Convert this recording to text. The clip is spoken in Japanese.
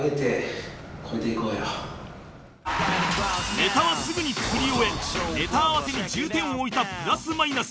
ネタはすぐに作り終えネタ合わせに重点を置いたプラス・マイナス